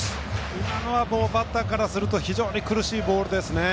今のはバッターとすると苦しいボールですね